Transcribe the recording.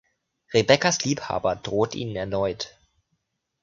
Rebeccas Liebhaber droht ihnen erneut.